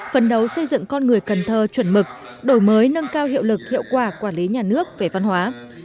phấn đấu xây dựng con người cần thơ chuẩn mực đổi mới nâng cao hiệu lực hiệu quả quản lý nhà nước về văn hóa